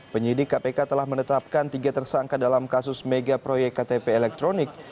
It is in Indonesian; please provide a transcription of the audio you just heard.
penyidik kpk telah menetapkan tiga tersangka dalam kasus mega proyek ktp elektronik